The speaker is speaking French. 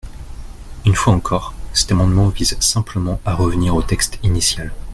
Une fois encore, cet amendement vise simplement à revenir au texte initial.